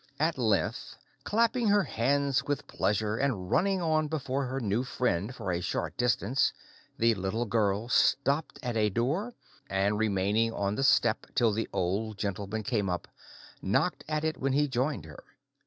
At length, clapping her hands with pleasure and running on before her new friend for a short distance, the little girl stopped at a door, and remaining on the step till the Old Gentleman came up, knocked at it when he joined her.